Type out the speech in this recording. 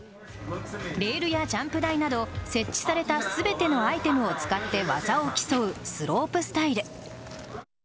レールやジャンプ台など設置された全てのアイテムを使って技を競うスロープスタイル。